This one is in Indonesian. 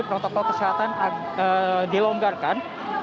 protokol kesehatan dilonggarkan